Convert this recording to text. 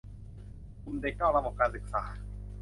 กลุ่มเด็กนอกระบบการศึกษา